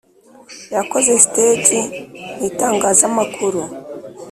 yakoze stage mu itangazamakuru.